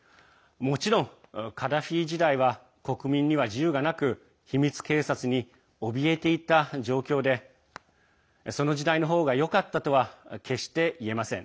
もちろん、カダフィ時代は国民には自由がなく秘密警察におびえていた状況からその時代の方がよかったとは決していえません。